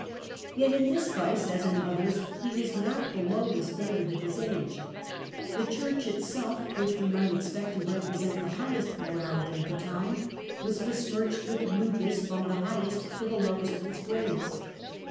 Yet in this vice, as in others, he was not below the standard of his age. The Church itself, which we might expect to represent the highest morality of the time, was besmirched with lewdness from the highest to the lowest of its grades.